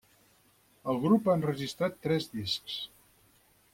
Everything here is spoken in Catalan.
El grup ha enregistrat tres discs.